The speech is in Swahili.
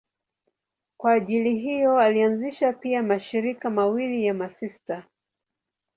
Kwa ajili hiyo alianzisha pia mashirika mawili ya masista.